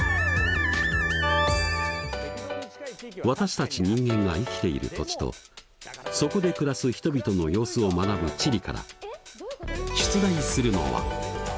私たち人間が生きている土地とそこで暮らす人々の様子を学ぶ「地理」から出題するのは。